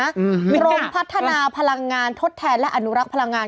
กรมพัฒนาพลังงานทดแทนและอนุรักษ์พลังงาน